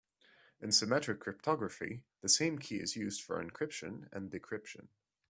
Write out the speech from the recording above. In symmetric cryptography the same key is used for encryption and decryption.